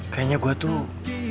kayaknya gua tuh